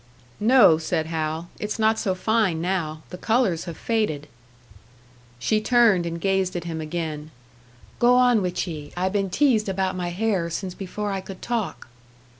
"No," said Hal, "it's not so fine now. The colours have faded." She turned and gazed at him again. "Go on wid ye! I been teased about my hair since before I could talk."